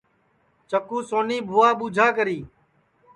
چکُو سونی بُھوا ٻوجھا کری